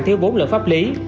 thiếu bốn lợi pháp lý